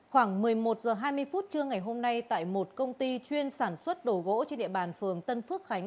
khoảng một mươi một h hai mươi phút trưa ngày hôm nay tại một công ty chuyên sản xuất đổ gỗ trên địa bàn phường tân phước khánh